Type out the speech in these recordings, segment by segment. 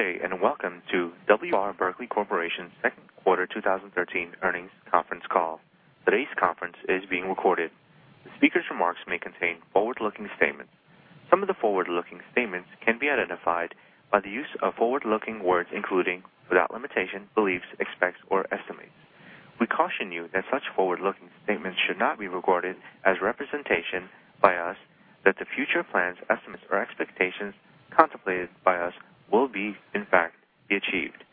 Good day. Welcome to W. R. Berkley Corporation's second quarter 2013 earnings conference call. Today's conference is being recorded. The speaker's remarks may contain forward-looking statements. Some of the forward-looking statements can be identified by the use of forward-looking words, including, without limitation, beliefs, expects or estimates. We caution you that such forward-looking statements should not be regarded as representation by us that the future plans, estimates or expectations contemplated by us will be, in fact, be achieved.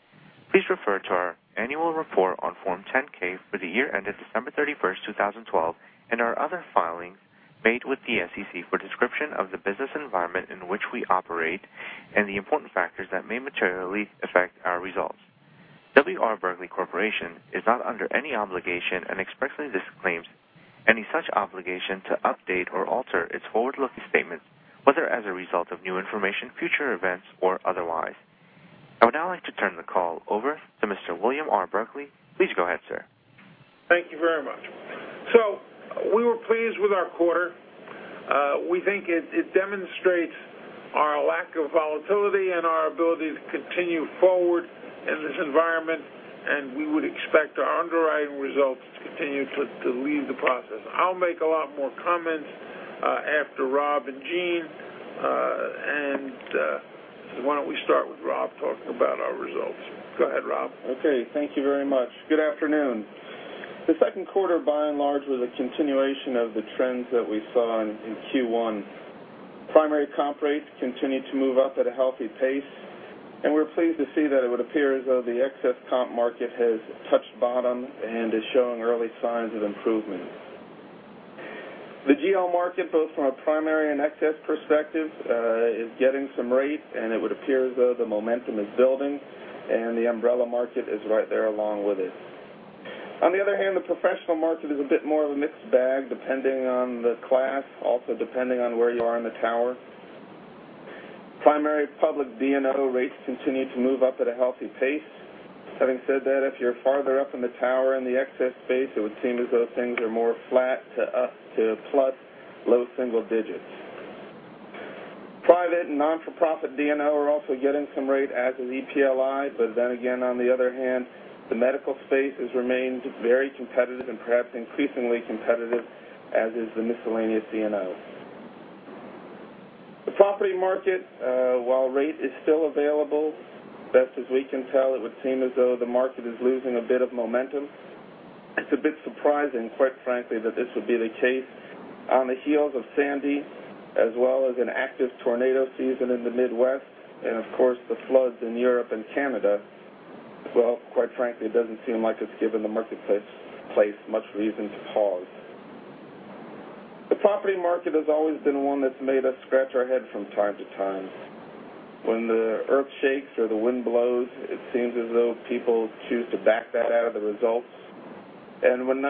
Please refer to our annual report on Form 10-K for the year ended December 31st, 2012, and our other filings made with the SEC for description of the business environment in which we operate and the important factors that may materially affect our results. W. R. Berkley Corporation is not under any obligation and expressly disclaims any such obligation to update or alter its forward-looking statements, whether as a result of new information, future events, or otherwise. I would now like to turn the call over to Mr. William R. Berkley. Please go ahead, sir. Thank you very much. We were pleased with our quarter. We think it demonstrates our lack of volatility and our ability to continue forward in this environment. We would expect our underwriting results to continue to lead the process. I'll make a lot more comments after Rob and Gene. Why don't we start with Rob talking about our results. Go ahead, Rob. Okay. Thank you very much. Good afternoon. The second quarter, by and large, was a continuation of the trends that we saw in Q1. Primary comp rates continued to move up at a healthy pace. We're pleased to see that it would appear as though the excess comp market has touched bottom and is showing early signs of improvement. The GL market, both from a primary and excess perspective, is getting some rate. It would appear as though the momentum is building. The umbrella market is right there along with it. On the other hand, the professional market is a bit more of a mixed bag, depending on the class, also depending on where you are in the tower. Primary public D&O rates continue to move up at a healthy pace. Having said that, if you're farther up in the tower in the excess space, it would seem as though things are more flat to up to plus low single digits. Private and not-for-profit D&O are also getting some rate, as is EPLI. But then again, on the other hand, the medical space has remained very competitive and perhaps increasingly competitive, as is the miscellaneous D&O. The property market, while rate is still available, best as we can tell, it would seem as though the market is losing a bit of momentum. It's a bit surprising, quite frankly, that this would be the case on the heels of Hurricane Sandy, as well as an active tornado season in the Midwest and of course, the floods in Europe and Canada. Quite frankly, it doesn't seem like it's given the marketplace much reason to pause. The property market has always been one that's made us scratch our head from time to time. When the earth shakes or the wind blows, it seems as though people choose to back that out of the results. And when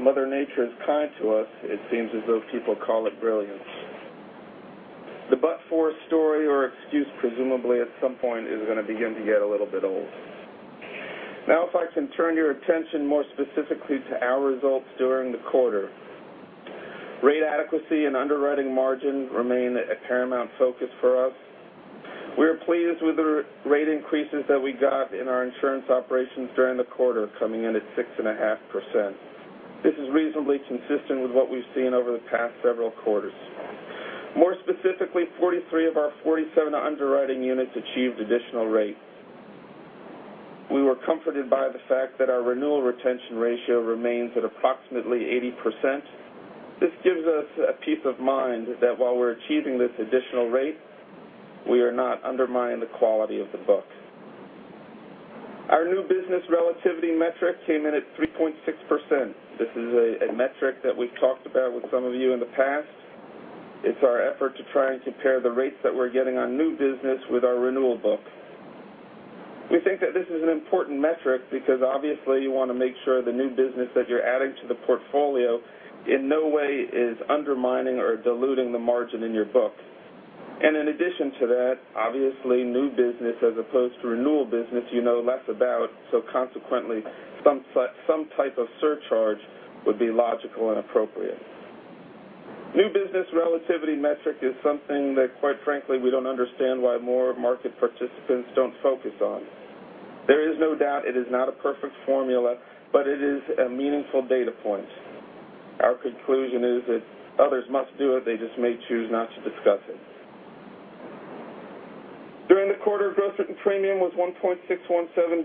Mother Nature is kind to us, it seems as though people call it brilliance. The but-for story or excuse, presumably at some point, is going to begin to get a little bit old. If I can turn your attention more specifically to our results during the quarter. Rate adequacy and underwriting margin remain a paramount focus for us. We are pleased with the rate increases that we got in our insurance operations during the quarter, coming in at 6.5%. This is reasonably consistent with what we've seen over the past several quarters. More specifically, 43 of our 47 underwriting units achieved additional rate. We were comforted by the fact that our renewal retention ratio remains at approximately 80%. This gives us a peace of mind that while we're achieving this additional rate, we are not undermining the quality of the book. Our new business relativity metric came in at 3.6%. This is a metric that we've talked about with some of you in the past. It's our effort to try and compare the rates that we're getting on new business with our renewal book. We think that this is an important metric because obviously you want to make sure the new business that you're adding to the portfolio in no way is undermining or diluting the margin in your book. And in addition to that, obviously, new business as opposed to renewal business you know less about, so consequently, some type of surcharge would be logical and appropriate. New business relativity metric is something that, quite frankly, we don't understand why more market participants don't focus on. There is no doubt it is not a perfect formula, but it is a meaningful data point. Our conclusion is that others must do it, they just may choose not to discuss it. During the quarter, gross written premium was $1.617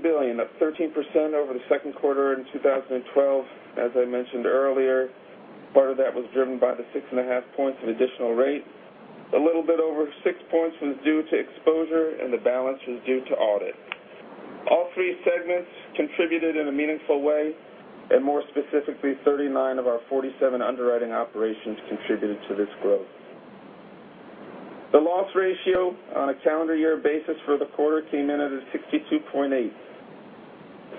billion, up 13% over the second quarter in 2012. As I mentioned earlier, part of that was driven by the six and a half points of additional rate. A little bit over 6 points was due to exposure, and the balance was due to audit. All three segments contributed in a meaningful way, and more specifically, 39 of our 47 underwriting operations contributed to this growth. The loss ratio on a calendar year basis for the quarter came in at 62.8%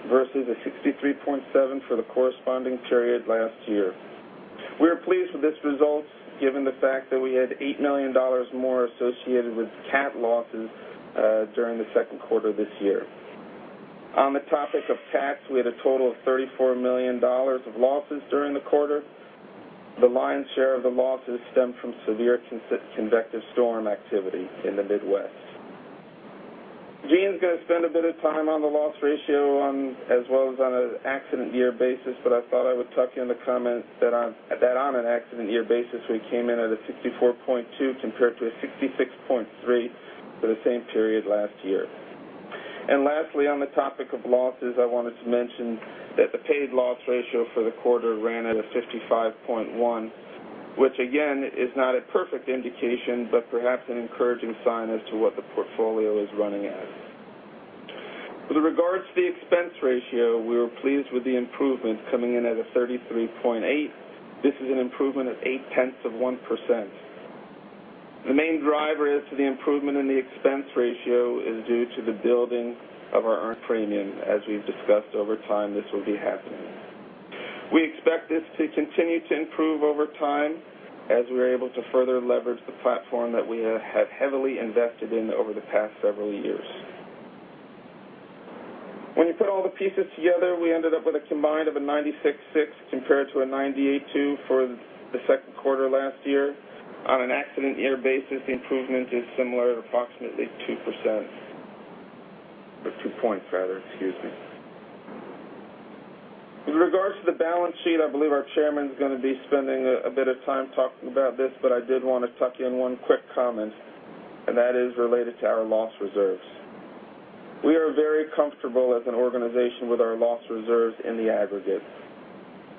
versus 63.7% for the corresponding period last year. We are pleased with this result given the fact that we had $8 million more associated with cat losses during the second quarter this year. On the topic of tax, we had a total of $34 million of losses during the quarter. The lion's share of the losses stemmed from severe convective storm activity in the Midwest. Gene's going to spend a bit of time on the loss ratio, as well as on an accident year basis, but I thought I would tuck in the comment that on an accident year basis, we came in at 64.2% compared to 66.3% for the same period last year. Lastly, on the topic of losses, I wanted to mention that the paid loss ratio for the quarter ran at 55.1%, which again, is not a perfect indication, but perhaps an encouraging sign as to what the portfolio is running at. With regards to the expense ratio, we were pleased with the improvement coming in at 33.8%. This is an improvement of 0.8%. The main driver as to the improvement in the expense ratio is due to the building of our earned premium. As we've discussed over time, this will be happening. We expect this to continue to improve over time as we are able to further leverage the platform that we have heavily invested in over the past several years. When you put all the pieces together, we ended up with a combined of 96.6% compared to 98.2% for the second quarter last year. On an accident year basis, the improvement is similar at approximately 2%. Or two points rather, excuse me. With regards to the balance sheet, I believe our Chairman's going to be spending a bit of time talking about this, but I did want to tuck in one quick comment, and that is related to our loss reserves. We are very comfortable as an organization with our loss reserves in the aggregate.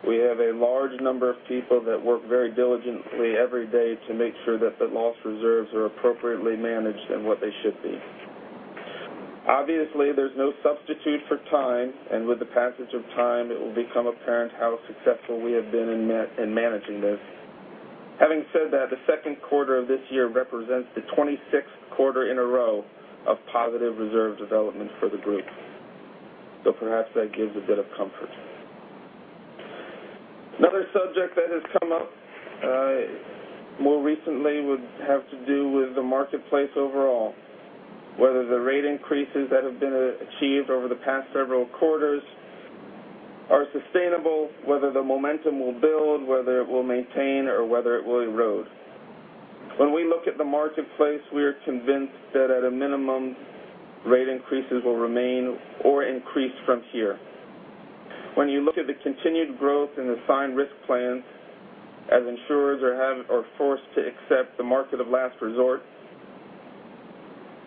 We have a large number of people that work very diligently every day to make sure that the loss reserves are appropriately managed and what they should be. Obviously, there's no substitute for time, and with the passage of time, it will become apparent how successful we have been in managing this. Having said that, the second quarter of this year represents the 26th quarter in a row of positive reserve development for the group. Perhaps that gives a bit of comfort. Another subject that has come up, more recently, would have to do with the marketplace overall, whether the rate increases that have been achieved over the past several quarters are sustainable, whether the momentum will build, whether it will maintain, or whether it will erode. When we look at the marketplace, we are convinced that at a minimum, rate increases will remain or increase from here. When you look at the continued growth in assigned risk plans, as insurers are forced to accept the market of last resort,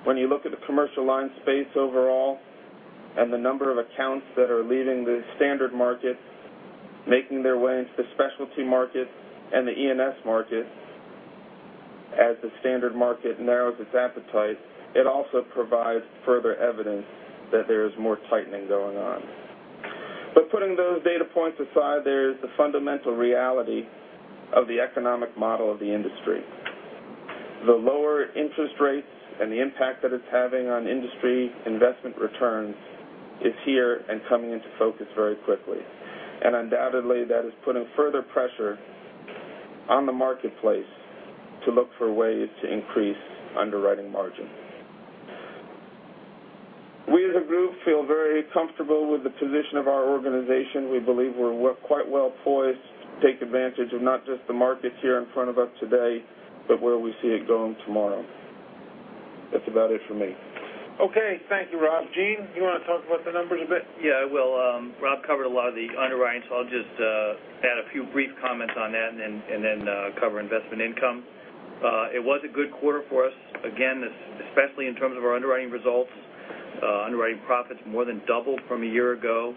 when you look at the commercial line space overall and the number of accounts that are leaving the standard market, making their way into the specialty market and the E&S market, as the standard market narrows its appetite, it also provides further evidence that there is more tightening going on. Putting those data points aside, there is the fundamental reality of the economic model of the industry. The lower interest rates and the impact that it's having on industry investment returns is here and coming into focus very quickly. Undoubtedly, that is putting further pressure on the marketplace to look for ways to increase underwriting margin. We as a group, feel very comfortable with the position of our organization. We believe we're quite well poised to take advantage of not just the markets here in front of us today, but where we see it going tomorrow. That's about it for me. Okay. Thank you, Rob. Gene, you want to talk about the numbers a bit? Yeah, I will. Rob covered a lot of the underwriting, I'll just add a few brief comments on that and then cover investment income. It was a good quarter for us. Again, especially in terms of our underwriting results. Underwriting profits more than doubled from a year ago.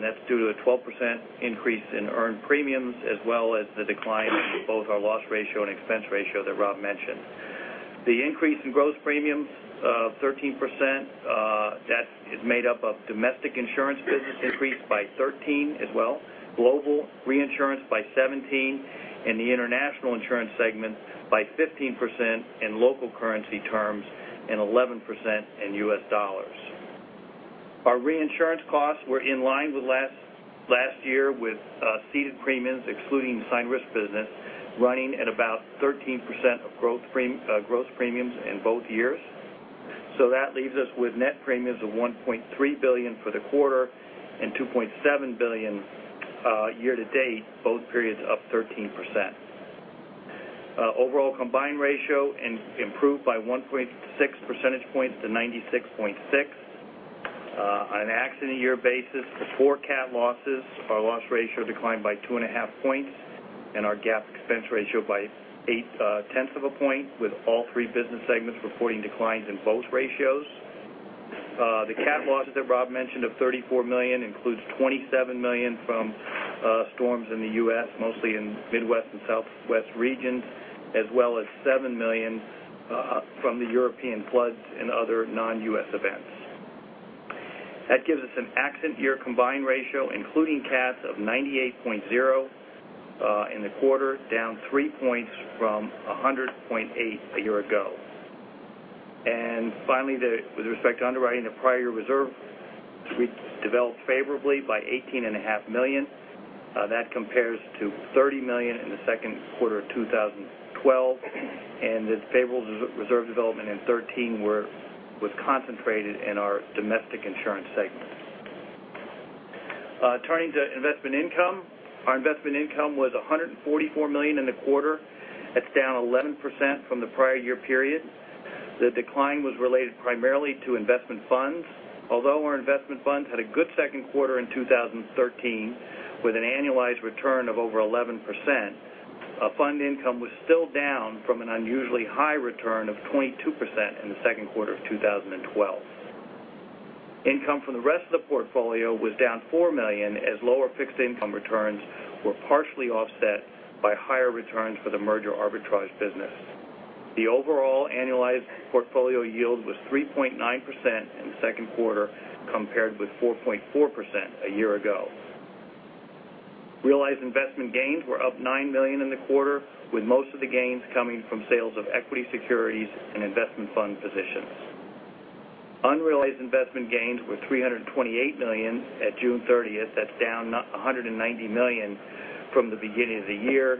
That's due to a 12% increase in earned premiums, as well as the decline in both our loss ratio and expense ratio that Rob mentioned. The increase in gross premiums of 13%, that is made up of domestic insurance business increased by 13% as well, global reinsurance by 17%, and the international insurance segment by 15% in local currency terms and 11% in US dollars. Our reinsurance costs were in line with last year with ceded premiums, excluding assigned risk business, running at about 13% of growth premiums in both years. That leaves us with net premiums of $1.3 billion for the quarter and $2.7 billion year to date, both periods up 13%. Overall combine ratio improved by 1.6 percentage points to 96.6. On an accident year basis, before cat losses, our loss ratio declined by two and a half points and our GAAP expense ratio by eight tenths of a point with all three business segments reporting declines in both ratios. The cat losses that Rob mentioned of $34 million includes $27 million from storms in the U.S., mostly in Midwest and Southwest regions, as well as $7 million from the European floods and other non-U.S. events. That gives us an accident year combined ratio, including cats of 98.0 in the quarter, down three points from 100.8 a year ago. Finally, with respect to underwriting, the prior year reserve, we developed favorably by $18 and a half million. That compares to $30 million in the second quarter of 2012. The payables reserve development in 2013 was concentrated in our domestic insurance segment. Turning to investment income, our investment income was $144 million in the quarter. That's down 11% from the prior year period. The decline was related primarily to investment funds. Although our investment funds had a good second quarter in 2013, with an annualized return of over 11%, fund income was still down from an unusually high return of 22% in the second quarter of 2012. Income from the rest of the portfolio was down $4 million, as lower fixed income returns were partially offset by higher returns for the merger arbitrage business. The overall annualized portfolio yield was 3.9% in the second quarter, compared with 4.4% a year ago. Realized investment gains were up $9 million in the quarter, with most of the gains coming from sales of equity securities and investment fund positions. Unrealized investment gains were $328 million at June 30th. That's down $190 million from the beginning of the year.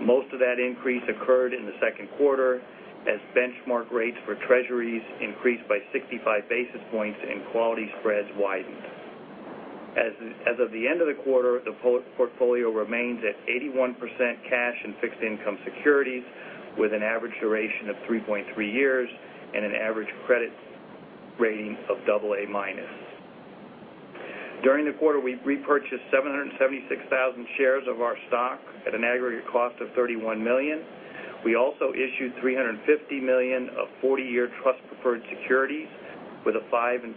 Most of that increase occurred in the second quarter, as benchmark rates for treasuries increased by 65 basis points and quality spreads widened. As of the end of the quarter, the portfolio remains at 81% cash in fixed income securities, with an average duration of 3.3 years and an average credit rating of AA-. During the quarter, we repurchased 776,000 shares of our stock at an aggregate cost of $31 million. We also issued $350 million of 40-year trust preferred securities with a 5.625%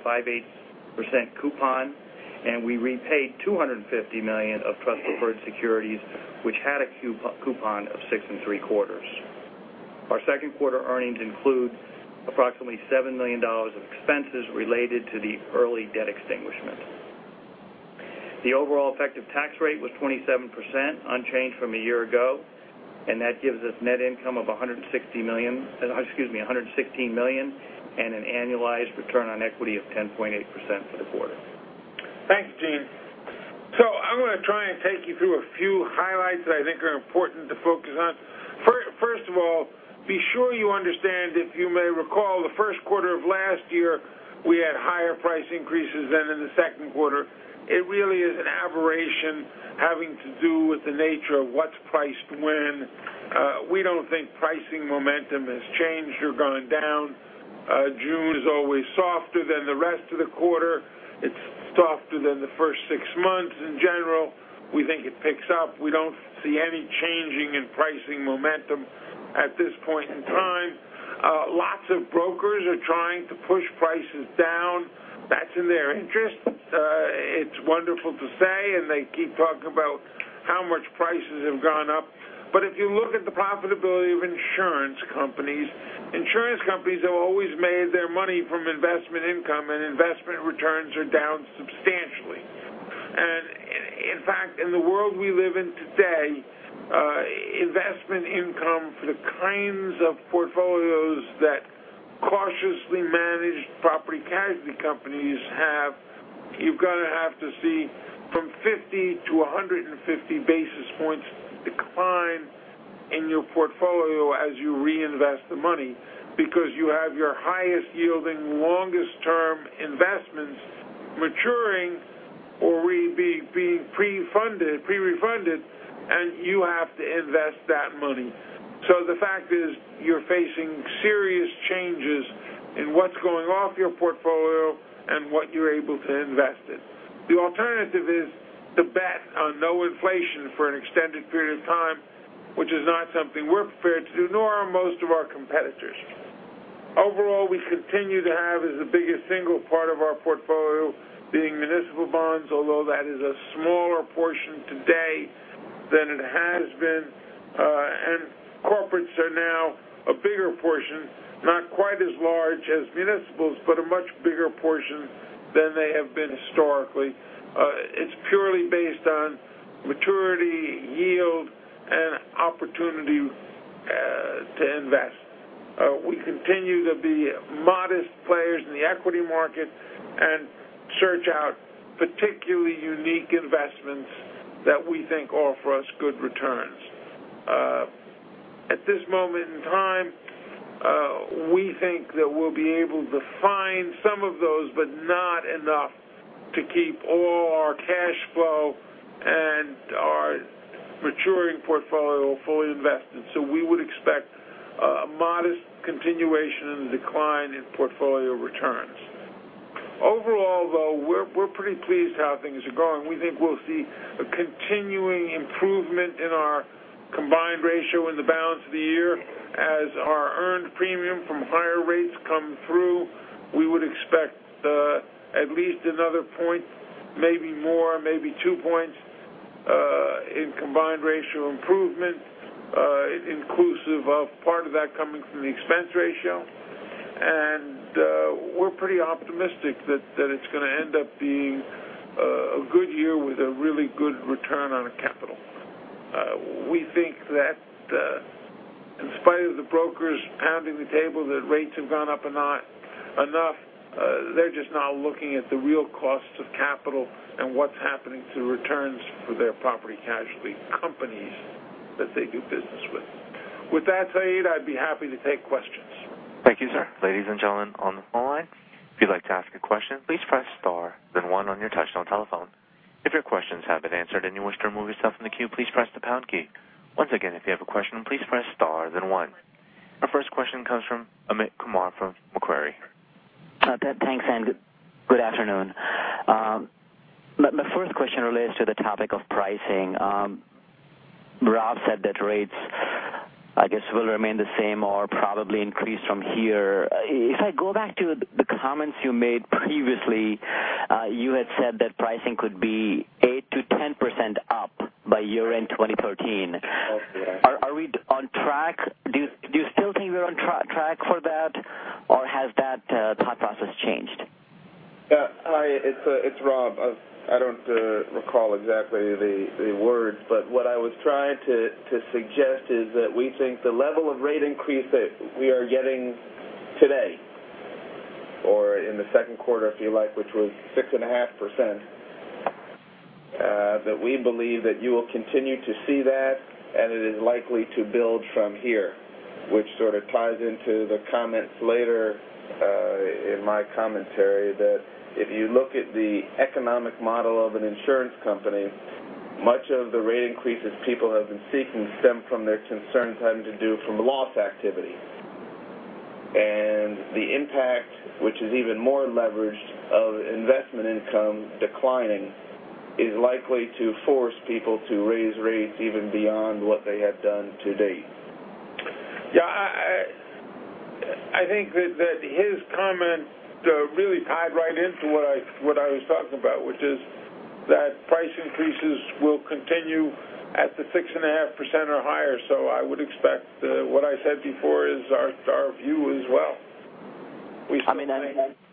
coupon. We repaid $250 million of trust preferred securities, which had a coupon of 6.75%. Our second quarter earnings include approximately $7 million of expenses related to the early debt extinguishment. The overall effective tax rate was 27%, unchanged from a year ago. That gives us net income of $116 million and an annualized return on equity of 10.8% for the quarter. Thanks, Gene. I'm going to try and take you through a few highlights that I think are important to focus on. First of all, be sure you understand, if you may recall, the first quarter of last year, we had higher price increases than in the second quarter. It really is an aberration having to do with the nature of what's priced when. We don't think pricing momentum has changed or gone down. June is always softer than the rest of the quarter. It's softer than the first six months. In general, we think it picks up. We don't see any changing in pricing momentum at this point in time. Lots of brokers are trying to push prices down. That's in their interest. It's wonderful to say, they keep talking about how much prices have gone up. If you look at the profitability of insurance companies, insurance companies have always made their money from investment income, investment returns are down substantially. In fact, in the world we live in today, investment income for the kinds of portfolios that cautiously managed property casualty companies have, you're going to have to see from 50-150 basis points decline in your portfolio as you reinvest the money because you have your highest-yielding, longest-term investments maturing or being pre-refunded, and you have to invest that money. The fact is, you're facing serious changes in what's going off your portfolio and what you're able to invest in. The alternative is to bet on no inflation for an extended period of time, which is not something we're prepared to do, nor are most of our competitors. Overall, we continue to have as the biggest single part of our portfolio being municipal bonds, although that is a smaller portion today than it has been. Corporates are now a bigger portion, not quite as large as municipals, but a much bigger portion than they have been historically. It's purely based on maturity, yield, and opportunity to invest. We continue to be modest players in the equity market and search out particularly unique investments that we think offer us good returns. At this moment in time, we think that we'll be able to find some of those, but not enough to keep all our cash flow and our maturing portfolio fully invested. We would expect a modest continuation in the decline in portfolio returns. Overall, though, we're pretty pleased how things are going. We think we'll see a continuing improvement in our combined ratio in the balance of the year. As our earned premium from higher rates come through, we would expect at least another point, maybe more, maybe two points, in combined ratio improvement, inclusive of part of that coming from the expense ratio. We're pretty optimistic that it's going to end up being a good year with a really good return on- We think that in spite of the brokers pounding the table that rates have gone up or not enough, they're just now looking at the real costs of capital and what's happening to returns for their property casualty companies that they do business with. With that said, I'd be happy to take questions. Thank you, sir. Ladies and gentlemen on the phone line, if you'd like to ask a question, please press star then one on your touchtone telephone. If your questions have been answered and you wish to remove yourself from the queue, please press the pound key. Once again, if you have a question, please press star then one. Our first question comes from Amit Kumar from Macquarie. Thanks and good afternoon. My first question relates to the topic of pricing. Rob said that rates, I guess, will remain the same or probably increase from here. If I go back to the comments you made previously, you had said that pricing could be 8%-10% up by year-end 2013. Oh, yeah. Are we on track? Do you still think we're on track for that, or has that thought process changed? Yeah. Hi, it's Rob. I don't recall exactly the words, but what I was trying to suggest is that we think the level of rate increase that we are getting today, or in the second quarter if you like, which was 6.5%, that we believe that you will continue to see that, and it is likely to build from here. Which sort of ties into the comments later, in my commentary, that if you look at the economic model of an insurance company, much of the rate increases people have been seeking stem from their concerns having to do from loss activity. The impact, which is even more leveraged, of investment income declining, is likely to force people to raise rates even beyond what they have done to date. Yeah. I think that his comment really tied right into what I was talking about, which is that price increases will continue at the 6.5% or higher. I would expect what I said before is our view as well. I mean.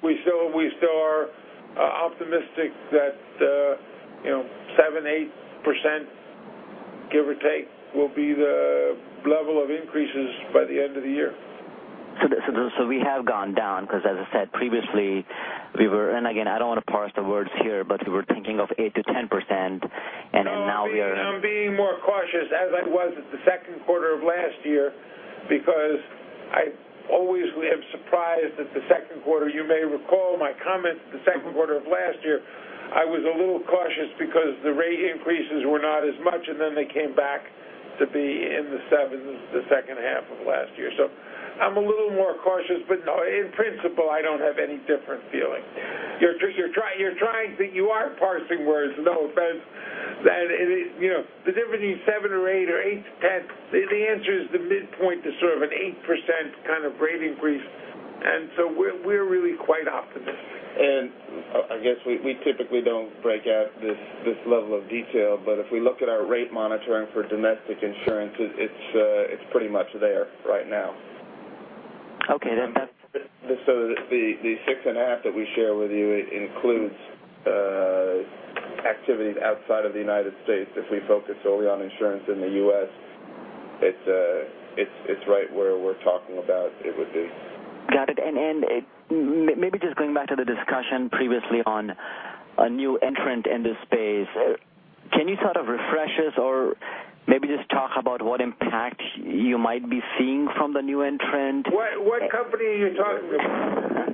We still are optimistic that 7%-8%, give or take, will be the level of increases by the end of the year. We have gone down because as I said previously, we were, and again, I don't want to parse the words here, but we were thinking of 8%-10% and now we are- No, I'm being more cautious as I was at the second quarter of last year because I always am surprised at the second quarter. You may recall my comments the second quarter of last year, I was a little cautious because the rate increases were not as much, and then they came back to be in the sevens the second half of last year. I'm a little more cautious, but no, in principle, I don't have any different feeling. You are parsing words, no offense. The difference between seven or eight or 8%-10%, the answer is the midpoint is sort of an 8% kind of rate increase, we're really quite optimistic. I guess we typically don't break out this level of detail, but if we look at our rate monitoring for domestic insurance, it's pretty much there right now. Okay, that's- Just so the 6.5 that we share with you includes activities outside of the U.S. If we focus solely on insurance in the U.S., it's right where we're talking about it would be. Got it. Maybe just going back to the discussion previously on a new entrant in this space. Can you sort of refresh us or maybe just talk about what impact you might be seeing from the new entrant? What company are you talking about?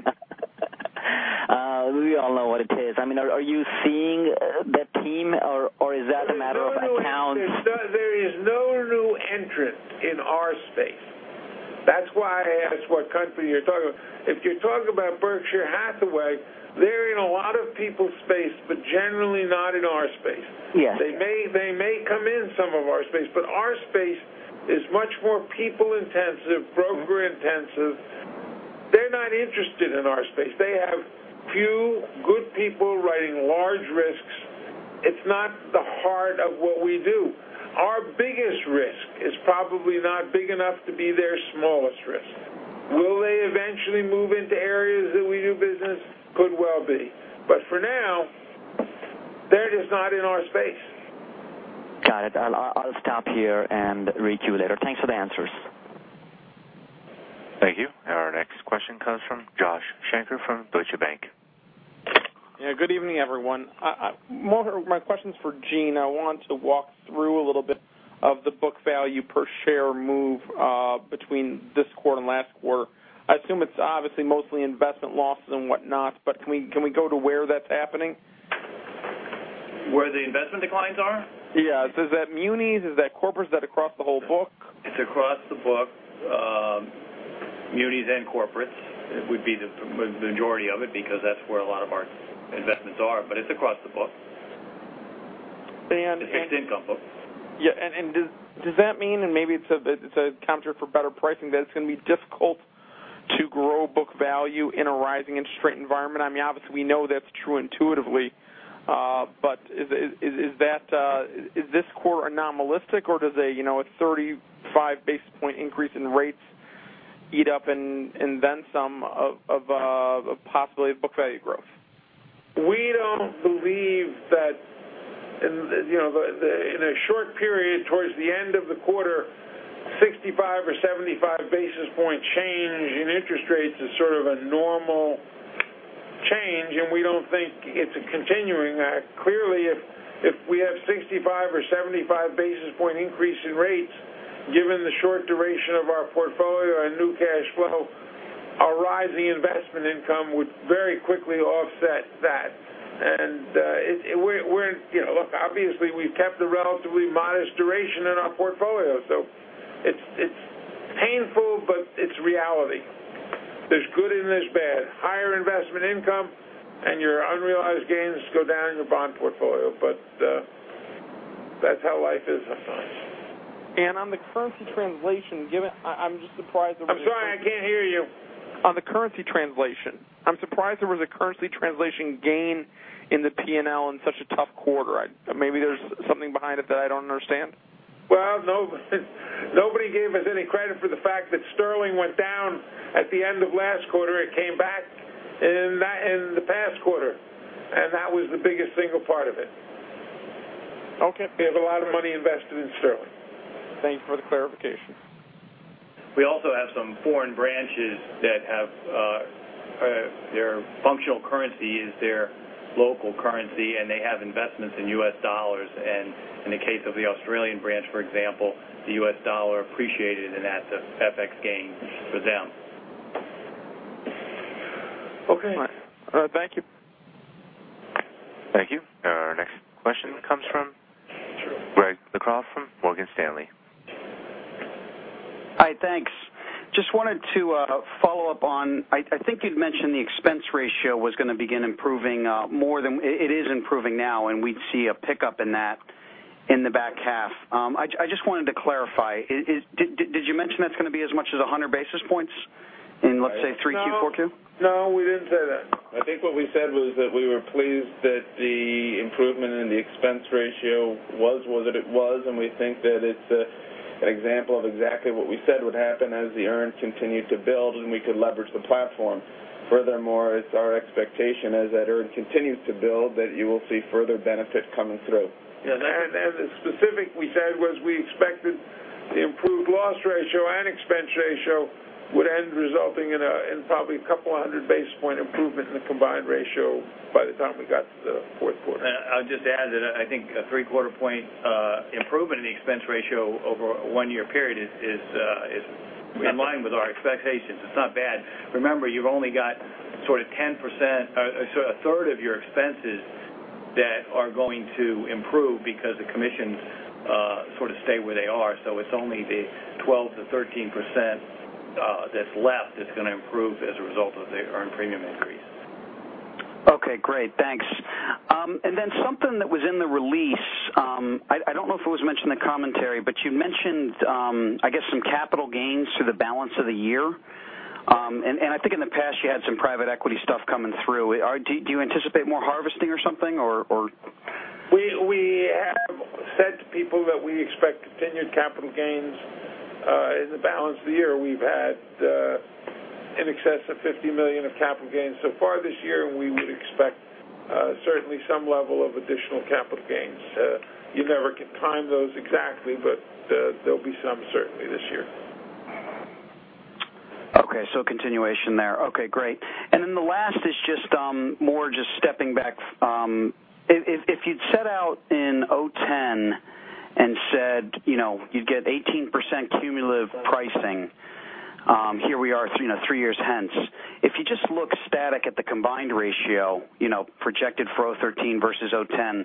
We all know what it is. Are you seeing the D&O or is that a matter of account? There is no new entrant in our space. That's why I asked what company you're talking about. If you're talking about Berkshire Hathaway, they're in a lot of people's space, but generally not in our space. Yes. They may come in some of our space, but our space is much more people-intensive, broker-intensive. They're not interested in our space. They have few good people writing large risks. It's not the heart of what we do. Our biggest risk is probably not big enough to be their smallest risk. Will they eventually move into areas that we do business? Could well be. For now, they're just not in our space. Got it. I'll stop here and reach you later. Thanks for the answers. Thank you. Our next question comes from Joshua Shanker from Deutsche Bank. Yeah, good evening, everyone. My question's for Gene. I want to walk through a little bit of the book value per share move between this quarter and last quarter. I assume it's obviously mostly investment losses and whatnot, but can we go to where that's happening? Where the investment declines are? Yeah. Is that munis, is that corporates? Is that across the whole book? It's across the book. Munis and corporates would be the majority of it, because that's where a lot of our investments are, but it's across the book. And- The fixed income book. Does that mean, maybe it's a counter for better pricing, that it's going to be difficult to grow book value in a rising interest rate environment? Obviously, we know that's true intuitively, but is this quarter anomalistic or does a 35 basis point increase in rates eat up and then some of possibly book value growth. We don't believe that in a short period towards the end of the quarter, 65 or 75 basis point change in interest rates is sort of a normal change. We don't think it's continuing. Clearly, if we have 65 or 75 basis point increase in rates, given the short duration of our portfolio and new cash flow, our rising investment income would very quickly offset that. Look, obviously, we've kept a relatively modest duration in our portfolio, so it's painful, but it's reality. There's good and there's bad. Higher investment income, your unrealized gains go down in your bond portfolio. That's how life is sometimes. On the currency translation given, I'm just surprised over- I'm sorry, I can't hear you. On the currency translation, I'm surprised there was a currency translation gain in the P&L in such a tough quarter. Maybe there's something behind it that I don't understand. Well, nobody gave us any credit for the fact that sterling went down at the end of last quarter. It came back in the past quarter, that was the biggest single part of it. Okay. We have a lot of money invested in sterling. Thank you for the clarification. We also have some foreign branches that their functional currency is their local currency, and they have investments in U.S. dollars. In the case of the Australian branch, for example, the U.S. dollar appreciated, and that's an FX gain for them. Okay. All right. Thank you. Thank you. Our next question comes from Greg McCaw from Morgan Stanley. Hi, thanks. Just wanted to follow up on, I think you'd mentioned the expense ratio was going to begin improving more than it is improving now, and we'd see a pickup in that in the back half. I just wanted to clarify. Did you mention that's going to be as much as 100 basis points in, let's say, 3Q, 4Q? No, we didn't say that. I think what we said was that we were pleased that the improvement in the expense ratio was what it was, and we think that it's an example of exactly what we said would happen as the earn continued to build, and we could leverage the platform. Furthermore, it's our expectation as that earn continues to build that you will see further benefit coming through. Yeah. The specific we said was we expected the improved loss ratio and expense ratio would end resulting in probably 200 basis point improvement in the combined ratio by the time we got to the fourth quarter. I'll just add that I think a three-quarter point improvement in the expense ratio over a one-year period is in line with our expectations. It's not bad. Remember, you've only got sort of 10%, a third of your expenses that are going to improve because the commissions sort of stay where they are. It's only the 12%-13% that's left that's going to improve as a result of the earned premium increase. Okay, great. Thanks. Something that was in the release, I don't know if it was mentioned in the commentary, but you mentioned, I guess some capital gains through the balance of the year. I think in the past you had some private equity stuff coming through. Do you anticipate more harvesting or something, or? We have said to people that we expect continued capital gains in the balance of the year. We've had in excess of $50 million of capital gains so far this year, we would expect certainly some level of additional capital gains. You never can time those exactly, there'll be some certainly this year. Okay. Continuation there. Okay, great. The last is just more just stepping back. If you'd set out in 2010 and said you'd get 18% cumulative pricing, here we are three years hence. If you just look static at the combined ratio projected for 2013 versus 2010,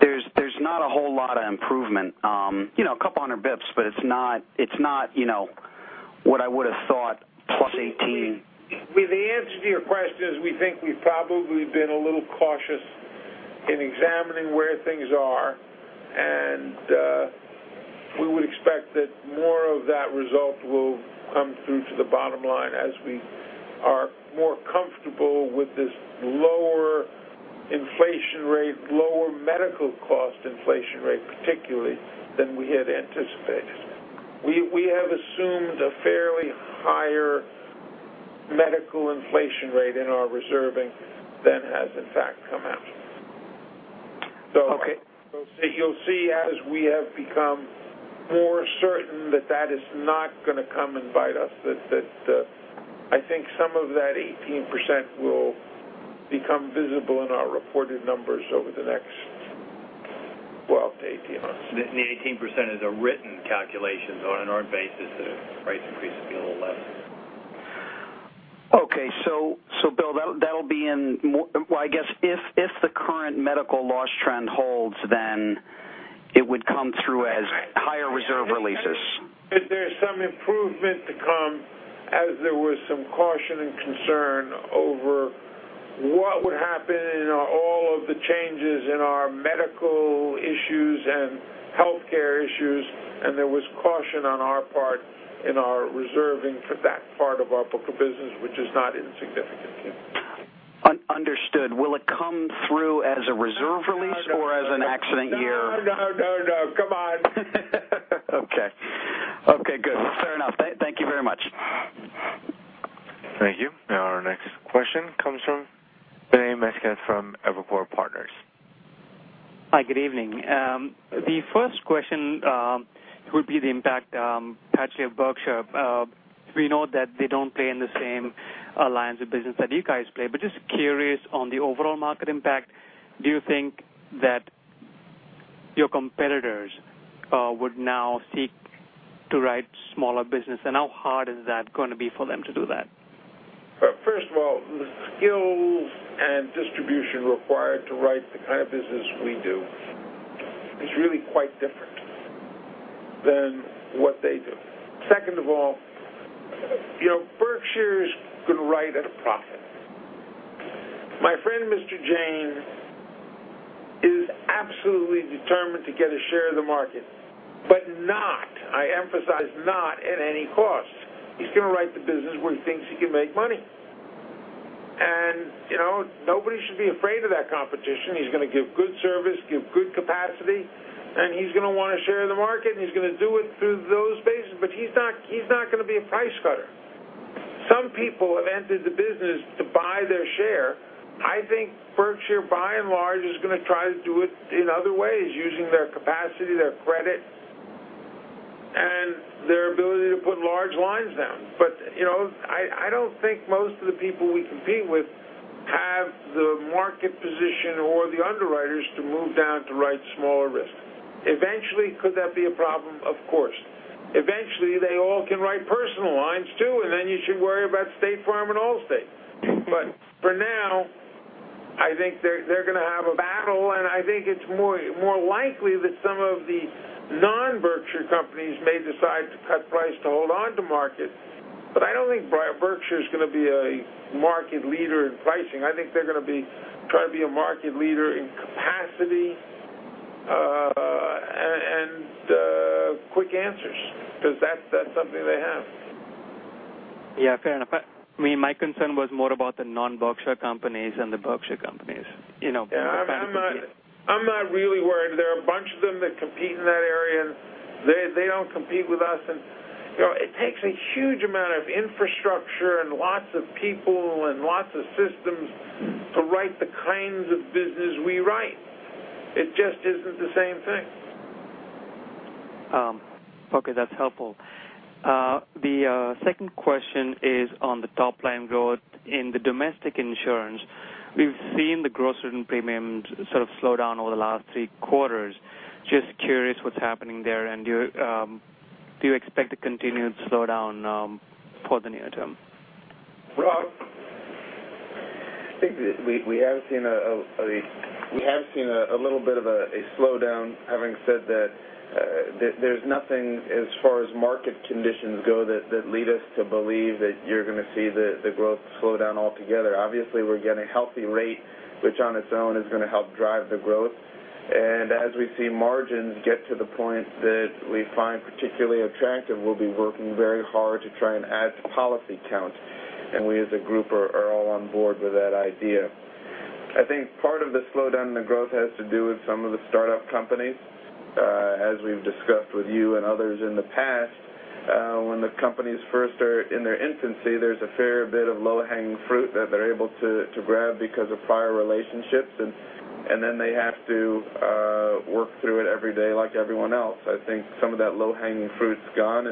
there's not a whole lot of improvement. A couple hundred bips, it's not what I would have thought plus 18. The answer to your question is we think we've probably been a little cautious in examining where things are. We would expect that more of that result will come through to the bottom line as we are more comfortable with this lower inflation rate, lower medical cost inflation rate, particularly, than we had anticipated. We have assumed a fairly higher medical inflation rate in our reserving than has in fact come out. Okay. You'll see as we have become more certain that that is not going to come and bite us, that I think some of that 18% will become visible in our reported numbers over the next 12-18 months. The 18% is a written calculation. On an earned basis, the price increase is going to be a little less. Okay. Bill, that'll be in well, I guess if the current medical loss trend holds, it would come through as higher reserve releases. There's some improvement to come as there was some caution and concern over what would happen in all of the changes in our medical issues and healthcare issues, and there was caution on our part in our reserving for that part of our book of business, which is not insignificant. Understood. Will it come through as a reserve release or as an accident year? No. Come on. Okay, good. Fair enough. Thank you very much. Thank you. Our next question comes from Ben Meskhet from Evercore Partners. Hi, good evening. The first question would be the impact of Berkshire. We know that they don't play in the same lines of business that you guys play, but just curious on the overall market impact, do you think that your competitors would now seek to write smaller business, how hard is that going to be for them to do that? First of all, the skills and distribution required to write the kind of business we do is really quite different than what they do. Second of all, Berkshire is going to write at a profit. My friend Mr. Jain is absolutely determined to get a share of the market, but not, I emphasize not at any cost. He's going to write the business where he thinks he can make money. Nobody should be afraid of that competition. He's going to give good service, give good capacity, and he's going to want a share of the market, and he's going to do it through those spaces. He's not going to be a price cutter. Some people have entered the business to buy their share. I think Berkshire, by and large, is going to try to do it in other ways, using their capacity, their credit, and their ability to put large lines down. I don't think most of the people we compete with have the market position or the underwriters to move down to write smaller risk. Eventually, could that be a problem? Of course. Eventually, they all can write personal lines too, and then you should worry about State Farm and Allstate. For now, I think they're going to have a battle, and I think it's more likely that some of the non-Berkshire companies may decide to cut price to hold onto market. I don't think Berkshire's going to be a market leader in pricing. I think they're going to be trying to be a market leader in capacity, and quick answers, because that's something they have. Yeah, fair enough. My concern was more about the non-Berkshire companies than the Berkshire companies. Yeah. I'm not really worried. There are a bunch of them that compete in that area, and they don't compete with us. It takes a huge amount of infrastructure and lots of people and lots of systems to write the kinds of business we write. It just isn't the same thing. Okay, that's helpful. The second question is on the top-line growth in the domestic insurance. We've seen the gross written premium sort of slow down over the last three quarters. Just curious what's happening there. Do you expect a continued slowdown for the near term? Rob? I think we have seen a little bit of a slowdown. Having said that, there's nothing as far as market conditions go that lead us to believe that you're going to see the growth slow down altogether. Obviously, we're getting healthy rate, which on its own is going to help drive the growth. As we see margins get to the point that we find particularly attractive, we'll be working very hard to try and add to policy count. We, as a group, are all on board with that idea. I think part of the slowdown in the growth has to do with some of the startup companies. As we've discussed with you and others in the past, when the companies first are in their infancy, there's a fair bit of low-hanging fruit that they're able to grab because of prior relationships, and then they have to work through it every day like everyone else. I think some of that low-hanging fruit's gone.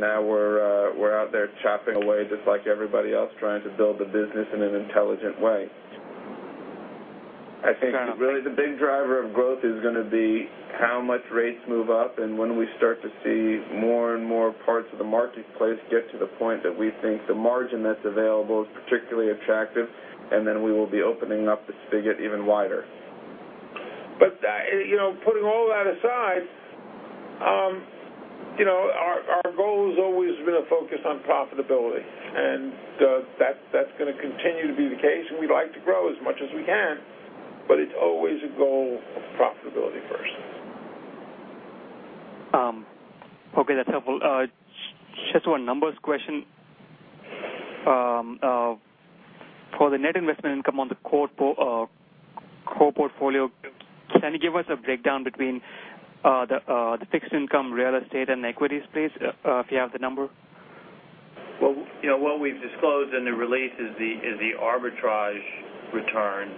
Now we're out there chopping away just like everybody else, trying to build a business in an intelligent way. I think really the big driver of growth is going to be how much rates move up and when we start to see more and more parts of the marketplace get to the point that we think the margin that's available is particularly attractive, and then we will be opening up the spigot even wider. Putting all that aside, our goal has always been a focus on profitability, and that's going to continue to be the case, and we'd like to grow as much as we can, but it's always a goal of profitability first. Okay, that's helpful. Just one numbers question. For the net investment income on the core portfolio, can you give us a breakdown between the fixed income, real estate, and equities, please, if you have the number? Well, what we've disclosed in the release is the arbitrage return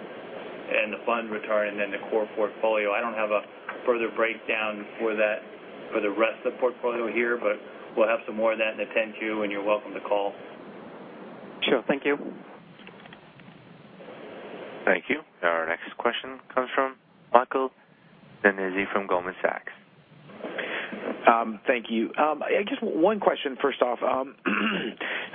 and the fund return and then the core portfolio. I don't have a further breakdown for the rest of the portfolio here, but we'll have some more of that in the 10-Q, and you're welcome to call. Sure, thank you. Thank you. Our next question comes from Michael Nannizzi from Goldman Sachs. Thank you. Just one question, first off.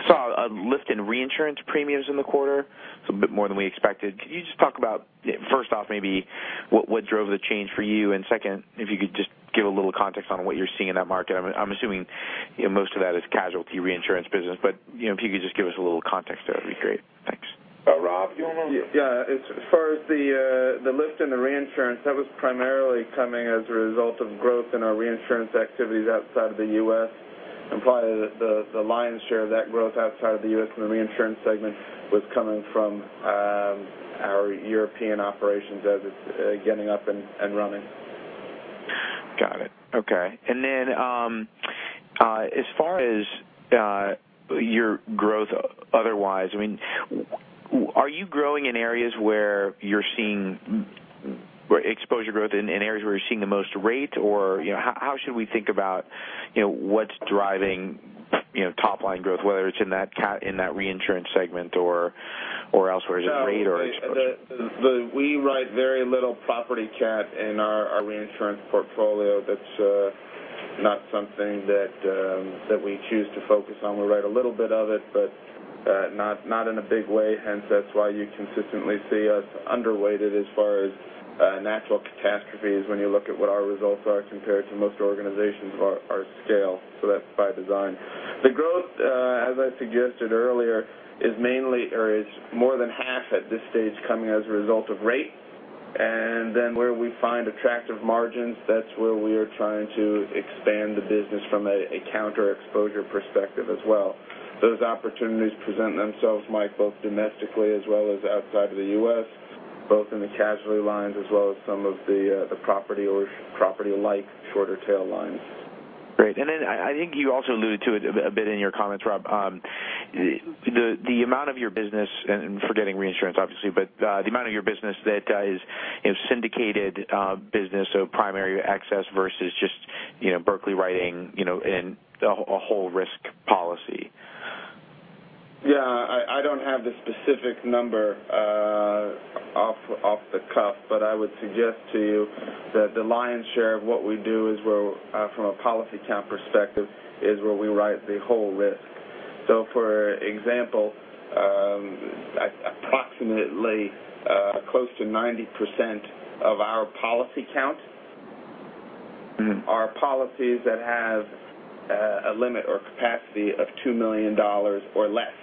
Saw a lift in reinsurance premiums in the quarter, so a bit more than we expected. Can you just talk about, first off, maybe what drove the change for you? Second, if you could just give a little context on what you're seeing in that market. I'm assuming most of that is casualty reinsurance business, but if you could just give us a little context to it, that'd be great. Thanks. Rob? Yeah. As far as the lift in the reinsurance, that was primarily coming as a result of growth in our reinsurance activities outside of the U.S. Probably the lion's share of that growth outside of the U.S. in the reinsurance segment was coming from our European operations as it's getting up and running. Got it. Okay. As far as your growth otherwise, are you growing in areas where you're seeing exposure growth in areas where you're seeing the most rate? Or how should we think about what's driving top-line growth, whether it's in that reinsurance segment or elsewhere? Is it rate or exposure? No, we write very little property catastrophe in our reinsurance portfolio. That's not something that we choose to focus on. We write a little bit of it, but not in a big way, hence that's why you consistently see us underrated as far as natural catastrophes when you look at what our results are compared to most organizations of our scale. That's by design. The growth, as I suggested earlier, is mainly, or is more than half at this stage, coming as a result of rate. Where we find attractive margins, that's where we are trying to expand the business from a counter exposure perspective as well. Those opportunities present themselves, Mike, both domestically as well as outside of the U.S., both in the casualty lines as well as some of the property or property-like shorter tail lines. Great. I think you also alluded to it a bit in your comments, Rob, the amount of your business, forgetting reinsurance obviously, but the amount of your business that is syndicated business, primary access versus just Berkley writing and a whole risk policy. Yeah, I don't have the specific number off the cuff, but I would suggest to you that the lion's share of what we do is, from a policy count perspective, is where we write the whole risk. For example, approximately close to 90% of our policy count are policies that have a limit or capacity of $2 million or less.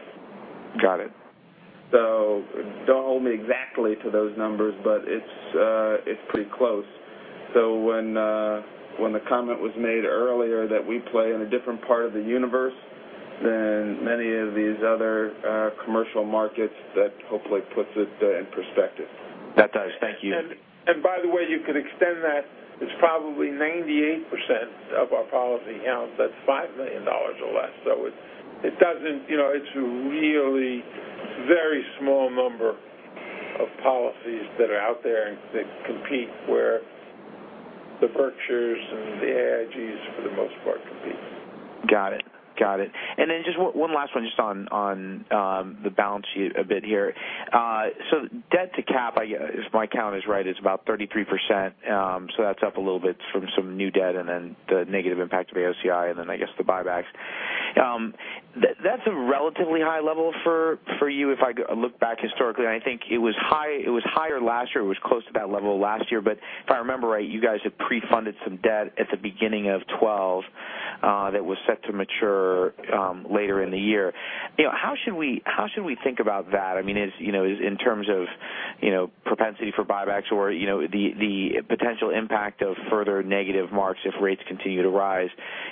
Got it. Don't hold me exactly to those numbers, but it's pretty close. When the comment was made earlier that we play in a different part of the universe than many of these other commercial markets, that hopefully puts it in perspective. That does. Thank you. By the way, you could extend that, it's probably 98% of our policy count that's $5 million or less. It's a really very small number of policies that are out there and that compete where the Berkshires and the AIGs for the most part compete. Got it. Just one last one just on the balance sheet a bit here. Debt to cap, if my count is right, is about 33%, that's up a little bit from some new debt and then the negative impact of AOCI and then I guess the buybacks. That's a relatively high level for you if I look back historically, I think it was higher last year, it was close to that level last year, if I remember right, you guys had pre-funded some debt at the beginning of 2012 that was set to mature later in the year. How should we think about that, in terms of propensity for buybacks or the potential impact of further negative marks if rates continue to rise?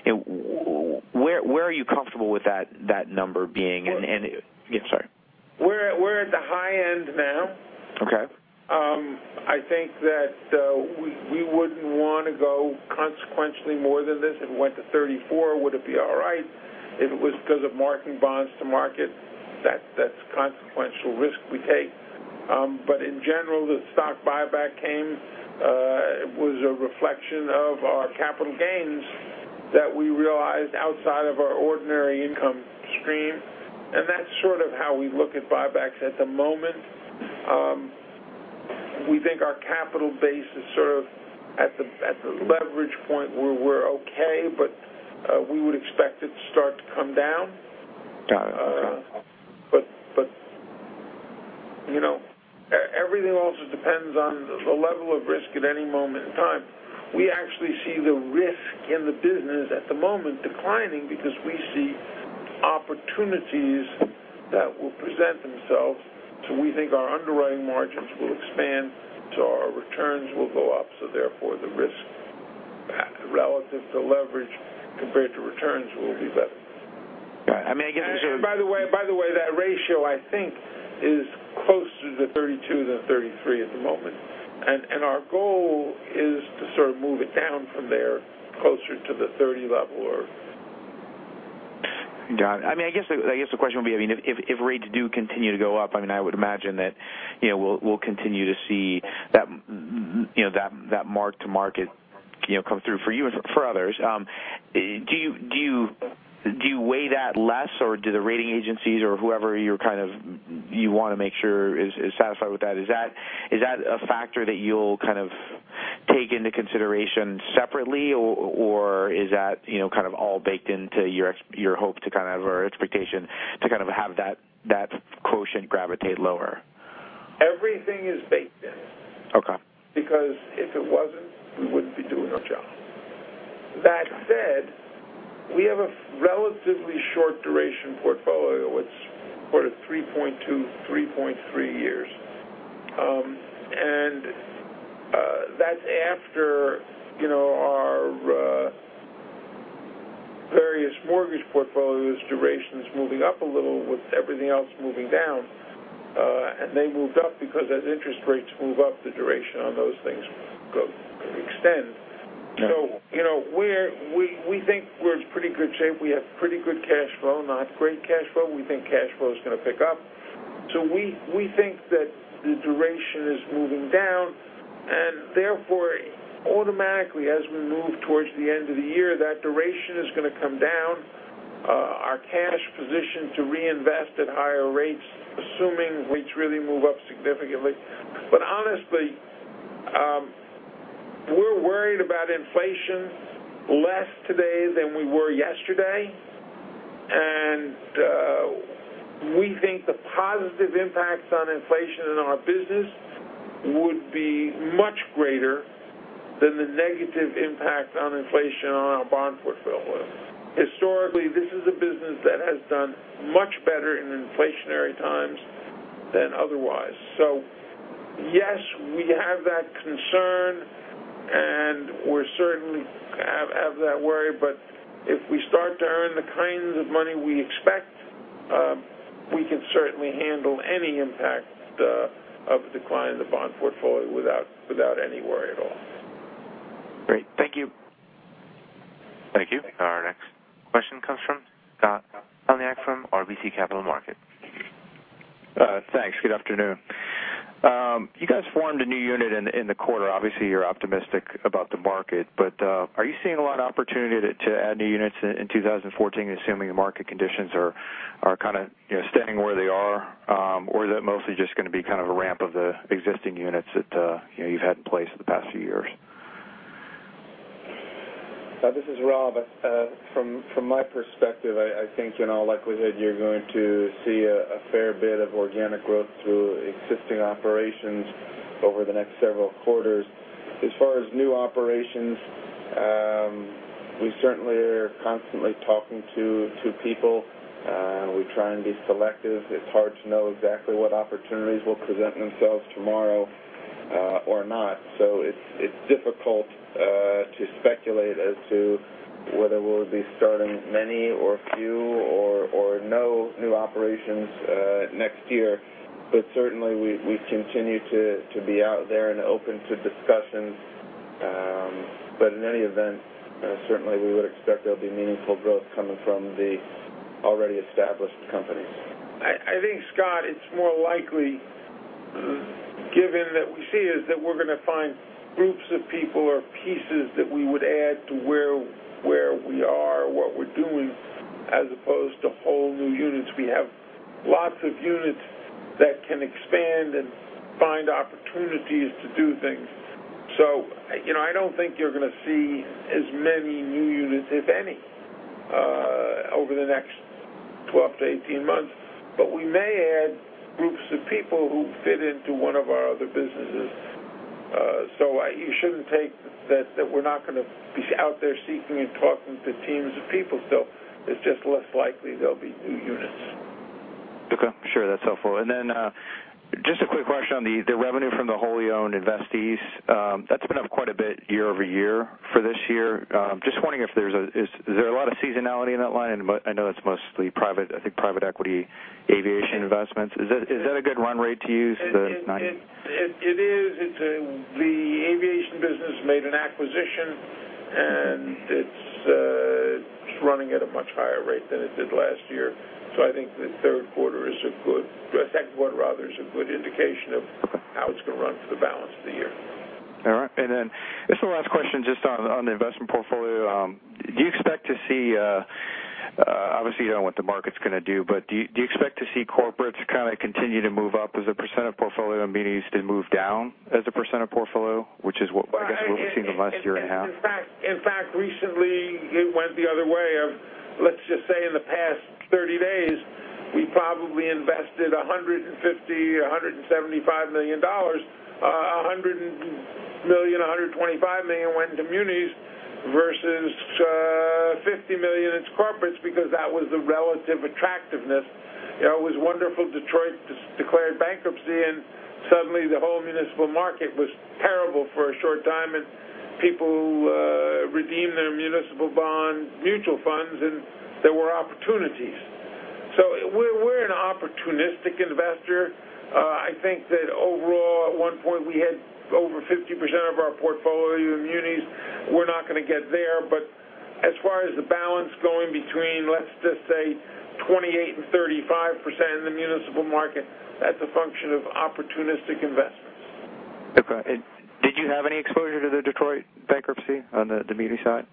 Where are you comfortable with that number being? Yeah, sorry. We're at the high end now. Okay. I think that we wouldn't want to go consequentially more than this. If it went to 34, would it be all right? If it was because of marking bonds to market, that's consequential risk we take. In general, the stock buyback came, it was a reflection of our capital gains that we realized outside of our ordinary income stream. That's sort of how we look at buybacks at the moment. We think our capital base is sort of at the leverage point where we're okay, we would expect it to start to come down. Got it. Everything also depends on the level of risk at any moment in time. We actually see the risk in the business at the moment declining because we see opportunities that will present themselves, so we think our underwriting margins will expand, so our returns will go up, so therefore the risk relative to leverage compared to returns will be better. Right. I guess. By the way, that ratio I think is closer to 32 than 33 at the moment. Our goal is to sort of move it down from there closer to the 30 level. Got it. I guess the question would be, if rates do continue to go up, I would imagine that we'll continue to see that mark to market come through for you and for others. Do you weigh that less, or do the rating agencies, or whoever you want to make sure is satisfied with that, is that a factor that you'll take into consideration separately, or is that all baked into your hope or expectation to have that quotient gravitate lower? Everything is baked in. Okay. If it wasn't, we wouldn't be doing our job. That said, we have a relatively short duration portfolio, what's 3.2, 3.3 years. That's after our various mortgage portfolios durations moving up a little with everything else moving down. They moved up because as interest rates move up, the duration on those things extends. Yeah. We think we're in pretty good shape. We have pretty good cash flow, not great cash flow. We think cash flow's going to pick up. We think that the duration is moving down, and therefore, automatically, as we move towards the end of the year, that duration is going to come down. Our cash position to reinvest at higher rates, assuming rates really move up significantly. Honestly, we're worried about inflation less today than we were yesterday. We think the positive impacts on inflation in our business would be much greater than the negative impact on inflation on our bond portfolio. Historically, this is a business that has done much better in inflationary times than otherwise. yes, we have that concern, and we certainly have that worry, but if we start to earn the kinds of money we expect, we can certainly handle any impact of a decline in the bond portfolio without any worry at all. Great. Thank you. Thank you. Our next question comes from Scott Heleniak from RBC Capital Markets. Thanks. Good afternoon. You guys formed a new unit in the quarter. Obviously, you're optimistic about the market, but are you seeing a lot of opportunity to add new units in 2014, assuming the market conditions are staying where they are? Or is that mostly just going to be a ramp of the existing units that you've had in place for the past few years? This is Rob. From my perspective, I think in all likelihood, you're going to see a fair bit of organic growth through existing operations over the next several quarters. As far as new operations, we certainly are constantly talking to people. We try and be selective. It's hard to know exactly what opportunities will present themselves tomorrow or not. It's difficult to speculate as to whether we'll be starting many or few or no new operations next year. Certainly, we would expect there'll be meaningful growth coming from the already established companies. I think, Scott, it's more likely given that we see is that we're going to find groups of people or pieces that we would add to where we are or what we're doing as opposed to whole new units. We have lots of units that can expand and find opportunities to do things. I don't think you're going to see as many new units, if any, over the next 12-18 months. We may add groups of people who fit into one of our other businesses. You shouldn't take that we're not going to be out there seeking and talking to teams of people still. It's just less likely there'll be new units. Okay. Sure. That's helpful. Then just a quick question on the revenue from the wholly owned investees. That's been up quite a bit year-over-year for this year. Just wondering, is there a lot of seasonality in that line? I know that's mostly private, I think private equity aviation investments. Is that a good run rate to use, the ninety- It is. The aviation business made an acquisition, and it's running at a much higher rate than it did last year. I think the second quarter, rather, is a good indication of how it's going to run for the balance of the year. All right. This is the last question just on the investment portfolio. Do you expect to see corporates kind of continue to move up as a % of portfolio and munis to move down as a % of portfolio, which is what I guess we've seen the last year and a half? In fact, recently, it went the other way of, let's just say in the past 30 days, we probably invested $150 million or $175 million. $100 million, $125 million went into munis versus $50 million into corporates because that was the relative attractiveness. It was wonderful. Detroit declared bankruptcy. Suddenly, the whole municipal market was terrible for a short time. People redeemed their municipal bond mutual funds. There were opportunities. We're an opportunistic investor. I think that overall, at one point, we had over 50% of our portfolio in munis. We're not going to get there. As far as the balance going between, let's just say, 28% and 35% in the municipal market, that's a function of opportunistic investments. Okay. Did you have any exposure to the Detroit bankruptcy on the muni side?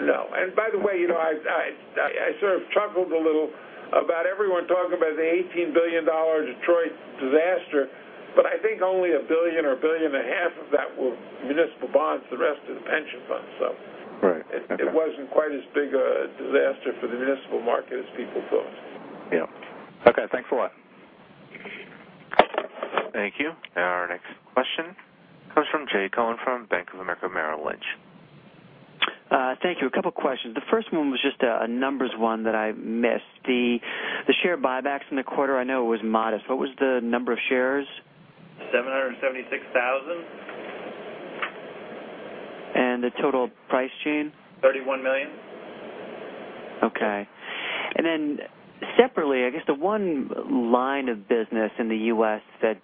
No. By the way, I sort of chuckled a little about everyone talking about the $18 billion Detroit disaster. I think only a billion or a billion and a half of that were municipal bonds, the rest are the pension funds. Right. Okay. It wasn't quite as big a disaster for the municipal market as people thought. Yeah. Okay. Thanks a lot. Thank you. Our next question comes from Jay Cohen from Bank of America Merrill Lynch. Thank you. A couple questions. The first one was just a numbers one that I missed. The share buybacks in the quarter, I know it was modest. What was the number of shares? 776,000. The total price, Gene? $31 million. Okay. Separately, I guess the one line of business in the U.S. that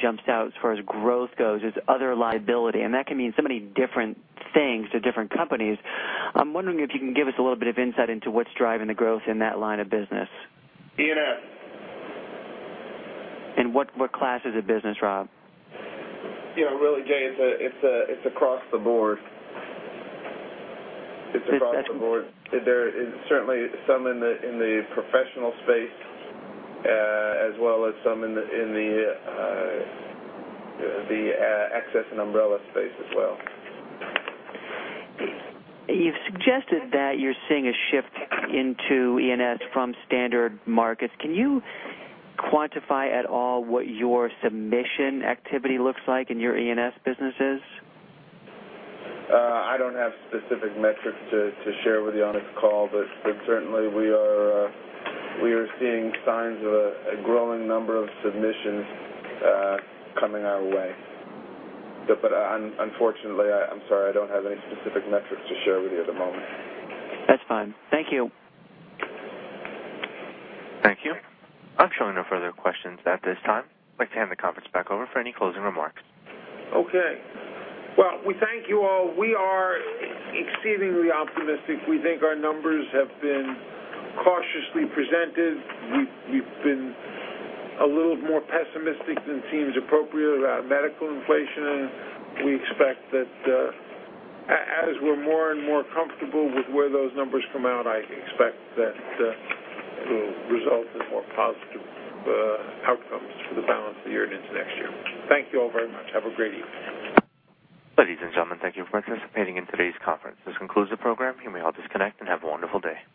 jumps out as far as growth goes is other liability, and that can mean so many different things to different companies. I'm wondering if you can give us a little bit of insight into what's driving the growth in that line of business. E&S. What classes of business, Rob? Really, Jay, it's across the board. There is certainly some in the professional space as well as some in the excess and umbrella space as well. You've suggested that you're seeing a shift into E&S from standard markets. Can you quantify at all what your submission activity looks like in your E&S businesses? I don't have specific metrics to share with you on this call, certainly we are seeing signs of a growing number of submissions coming our way. Unfortunately, I'm sorry, I don't have any specific metrics to share with you at the moment. That's fine. Thank you. Thank you. I'm showing no further questions at this time. I'd like to hand the conference back over for any closing remarks. Well, we thank you all. We are exceedingly optimistic. We think our numbers have been cautiously presented. We've been a little more pessimistic than seems appropriate about medical inflation, and we expect that as we're more and more comfortable with where those numbers come out, I expect that it'll result in more positive outcomes for the balance of the year and into next year. Thank you all very much. Have a great evening. Ladies and gentlemen, thank you for participating in today's conference. This concludes the program. You may all disconnect. Have a wonderful day.